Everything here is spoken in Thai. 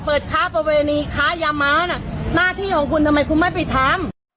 ค้าประเวณีค้ายาม้าน่ะหน้าที่ของคุณทำไมคุณไม่ไปทำ